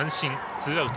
ツーアウト。